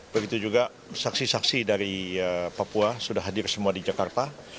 begitu juga saksi saksi dari papua sudah hadir semua di jakarta